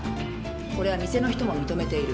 これは店の人も認めている。